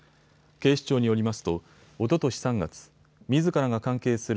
警視庁によりますとおととし３月、みずからが関係する